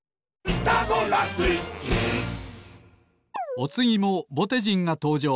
おつぎもぼてじんがとうじょう。